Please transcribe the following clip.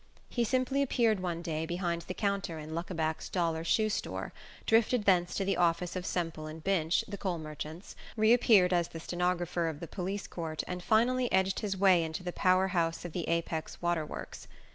He simply appeared one day behind the counter in Luckaback's Dollar Shoe store, drifted thence to the office of Semple and Binch, the coal merchants, reappeared as the stenographer of the Police Court, and finally edged his way into the power house of the Apex Water Works.